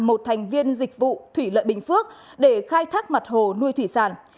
một thành viên dịch vụ thủy lợi bình phước để khai thác mặt hồ nuôi thủy sản